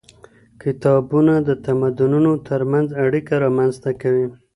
کتابونه د تمدنونو ترمنځ اړيکه رامنځته کوي.